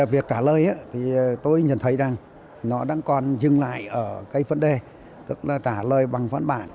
việc trả lời thì tôi nhận thấy rằng nó đang còn dừng lại ở cái vấn đề tức là trả lời bằng văn bản